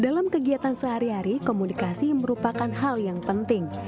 dalam kegiatan sehari hari komunikasi merupakan hal yang penting